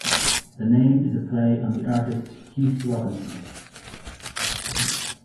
The name is a play on the artist Heath Robinson.